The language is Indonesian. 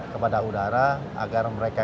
kepada udara agar mereka